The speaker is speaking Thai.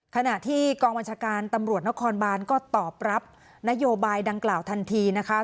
ขณะที่กองบัญชาการตำรวจนครบานก็ตอบรับนโยบายดังกล่าวทันทีนะคะ